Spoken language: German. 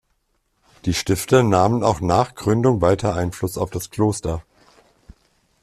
Die Stifter nahmen auch nach Gründung weiter Einfluss auf das Kloster.